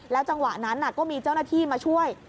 จังหวะนั้นก็มีเจ้าหน้าที่มาช่วย